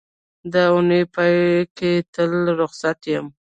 د اونۍ پای کې تل روخصت یم